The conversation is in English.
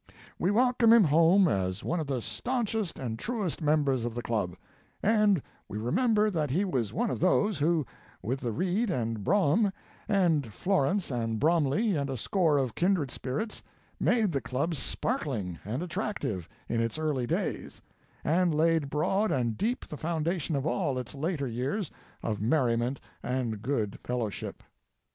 "We welcome him home as one of the staunchest and truest members of the club, and we remember that he was one of those who, with Reid and Brougham and Florence and Bromley and a score of kindred spirits, made the club sparkling and attractive in its early days, and laid broad and deep the foundation of all its later years of merriment and good fellowship.